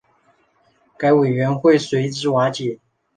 该委员会随之瓦解。